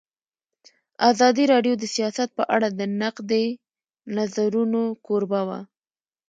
ازادي راډیو د سیاست په اړه د نقدي نظرونو کوربه وه.